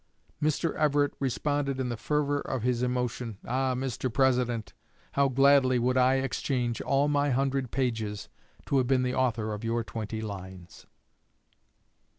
Mr. Everett responded in the fervor of his emotion, "Ah, Mr. President, how gladly would I exchange all my hundred pages to have been the author of your twenty lines!"